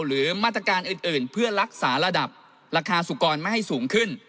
หรือมาตรการอื่นเพื่อรักษาระดับราคาสุกรไม่ให้สูงขึ้น